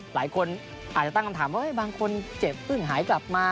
หลายคนอาจจะตั้งคำถามว่าบางคนเจ็บเพิ่งหายกลับมา